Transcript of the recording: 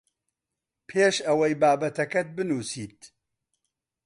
پێش ئەوەی بابەتەکەت بنووسیت